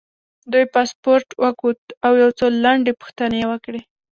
دوی پاسپورټ وکوت او یو څو لنډې پوښتنې یې وکړې.